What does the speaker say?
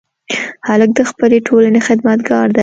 هلک د خپلې ټولنې خدمتګار دی.